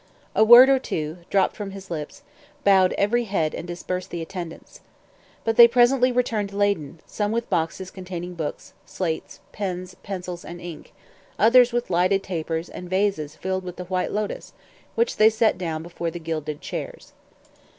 A word or two, dropped from his lips, bowed every head and dispersed the attendants. But they presently returned laden, some with boxes containing books, slates, pens, pencils, and ink; others with lighted tapers and vases filled with the white lotos, which they set down before the gilded chairs.